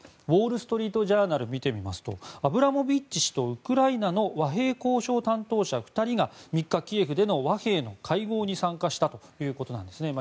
ウォール・ストリート・ジャーナルを見てみますとアブラモビッチ氏とウクライナの和平交渉担当者２人が３日、キエフでの和平の会合に参加したということです。